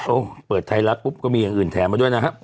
โอ้โหเปิดไทยรัฐปุ๊บก็มีอย่างอื่นแถมมาด้วยนะครับ